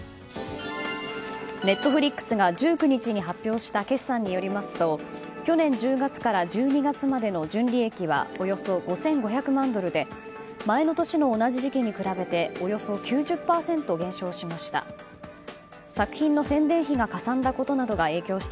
Ｎｅｔｆｌｉｘが１９日に発表した決算によりますと去年１０月から１２月までの純利益はおよそ５５００万ドルで前の年の同じ時期に比べておよそ９０％減少しました。